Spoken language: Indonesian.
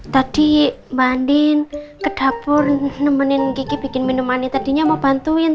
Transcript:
tadi mbak andin ke dapur nemenin gigi bikin minuman ini tadinya mau bantuin